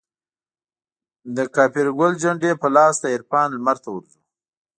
دکاپرګل جنډې په لاس دعرفان لمرته ورځو